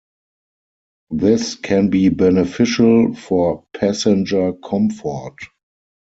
This can be beneficial for passenger comfort.